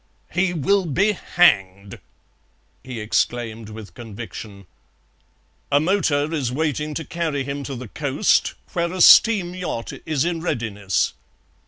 "He will be hanged!" he exclaimed with conviction. "A motor is waiting to carry him to the coast, where a steam yacht is in readiness."